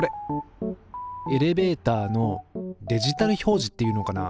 エレベーターのデジタル表示っていうのかな。